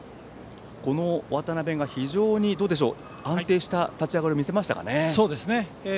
この渡辺が、非常に安定した立ち上がりを見せましたかね。